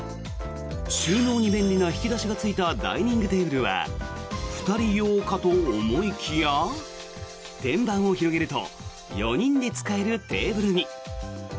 収納に便利な引き出しがついたダイニングテーブルは２人用かと思いきや天板を広げると４人で使えるテーブルに。